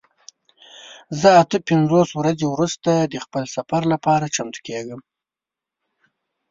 زه اته پنځوس ورځې وروسته د خپل سفر لپاره چمتو کیږم.